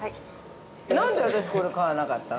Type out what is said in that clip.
なんで私、これ買わなかったの？